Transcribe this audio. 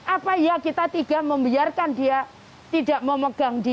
apa ya kita tiga membiarkan dia tidak memegang dia